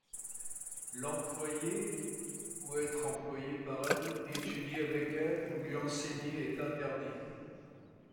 L'employer ou être employé par elle, étudier avec elle ou lui enseigner est interdit.